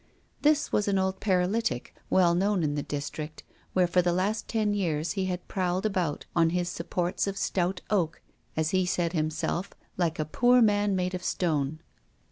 This was an old paralytic, well known in the district, where for the last ten years he had prowled about on his supports of stout oak, as he said himself, like a poor man made of stone.